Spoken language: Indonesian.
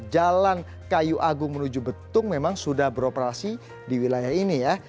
jalan kayu agung menuju betung memang sudah beroperasi di wilayah ini ya